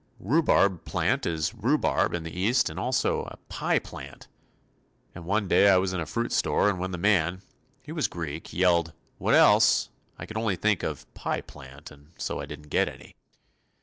Rhubarb plant is "rhubarb" in the East and also "pie plant," and one day I was in a fruit store and when the man he was a Greek yelled "Wha else?" I could only think of "pie plant" and so I didn't get any.